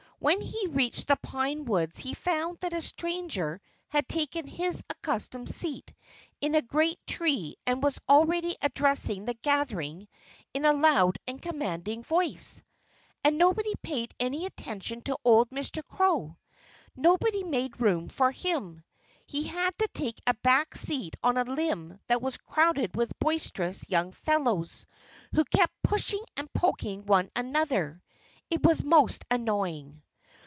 When he reached the pine woods he found that a stranger had taken his accustomed seat in a great tree and was already addressing the gathering in a loud and commanding voice. And nobody paid any attention to old Mr. Crow. Nobody made room for him. He had to take a back seat on a limb that was crowded with boisterous young fellows, who kept pushing and poking one another. It was most annoying.